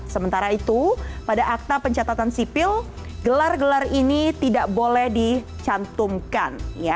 sementara itu pada akta pencatatan sipil gelar gelar ini tidak boleh dicantumkan